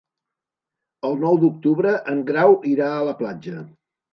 El nou d'octubre en Grau irà a la platja.